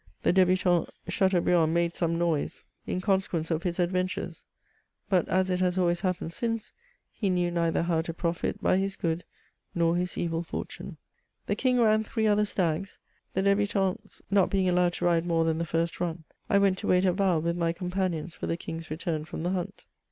The debutant Chateaubriand made some noise in consequence of his adventures ; but, as it has always hi^ pened since, he knew neither how to profit by his good nor his evil fortune. The King ran three other stags. The ddbutants not being allowed to ride more than the first run, I went to wait CHATEAUBRIAND. 1 75 at Yal with my companions for the King's return from the hunt.